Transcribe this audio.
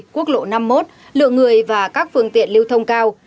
quốc lộ năm mươi một lượng người và các phương tiện lưu thông cao